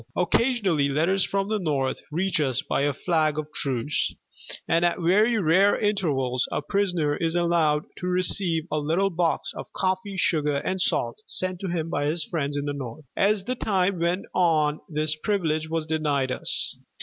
Occasionally letters from the North reach us by a flag of truce, and at very rare intervals a prisoner is allowed to receive a little box of coffee, sugar, and salt, sent to him by his friends in the North." As the time went on this privilege was denied us.